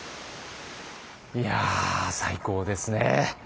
いや最高ですね。